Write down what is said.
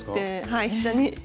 はい膝に。